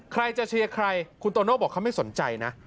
ใครจะเชียร์ใครคุณโตโน่บอกเขาไม่สนใจนะ